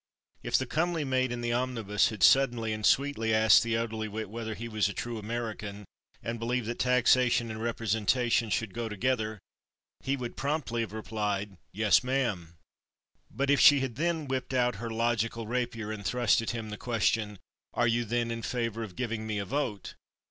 If the comely maid in the omnibus had suddenly and sweetly asked the elderly wit whether he was a true American, and believed that taxation and representation should go together, he would have promptly replied, "Yes, ma'am." But if she had then whipped out her logical rapier and thrust at him the question, "Are you, then, in favor of giving me a vote?"